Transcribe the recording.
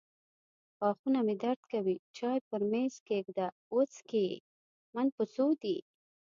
غاښونه مې درد کوي. چای پر مېز کښېږده. وڅکې من په څو دي.